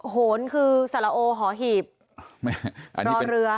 โหนคือสารโอหอหีบรอเรือ